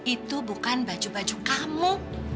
itu bukan baju baju kamu